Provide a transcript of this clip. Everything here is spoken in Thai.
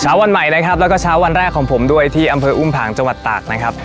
วันใหม่นะครับแล้วก็เช้าวันแรกของผมด้วยที่อำเภออุ้มผางจังหวัดตากนะครับ